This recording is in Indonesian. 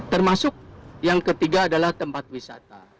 termasuk yang ketiga adalah tempat wisata